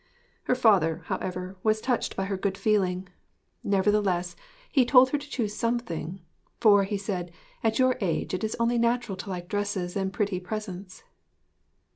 Her father, however, was touched by her good feeling. Nevertheless he told her to choose something 'For,' said he, 'at your age it is only natural to like dresses and pretty presents.'